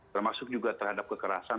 termasuk juga terhadap kekerasan